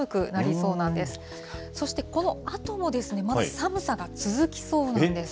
そしてこのあとも、また寒さが続きそうなんです。